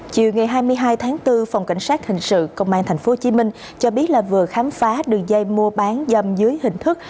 chiều ngày hai mươi hai tháng bốn phòng cảnh sát hình sự công an tp hcm cho biết là vừa khám phá đường dây mua bán dâm dưới hình thức